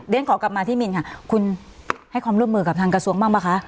ขอกลับมาที่มินค่ะคุณให้ความร่วมมือกับทางกระทรวงบ้างป่ะคะ